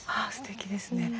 あすてきですね。